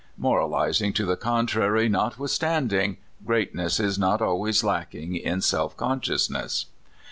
Morahzing to the contrary notwithstanding, greatness is not always lacking in self consciousness.